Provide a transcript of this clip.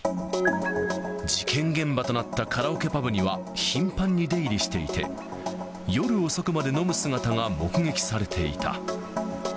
事件現場となったカラオケパブには頻繁に出入りしていて、夜遅くまで飲む姿が目撃されていた。